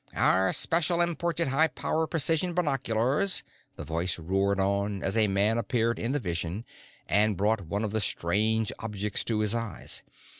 "Our special imported high power precision binoculars," the voice roared on as a man appeared in the vision and brought one of the strange objects up to his eyes.